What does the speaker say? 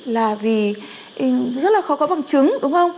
là vì rất là khó có bằng chứng đúng không